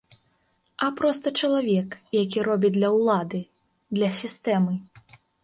А проста чалавек, які робіць для ўлады, для сістэмы.